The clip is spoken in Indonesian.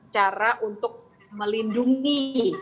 cara untuk melindungi